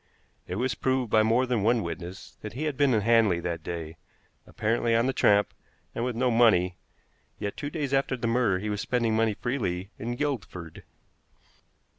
It was proved by more than one witness that he had been in Hanley that day, apparently on the tramp, and with no money, yet two days after the murder he was spending money freely in Guildford.